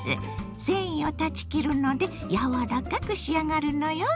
繊維を断ち切るので柔らかく仕上がるのよ。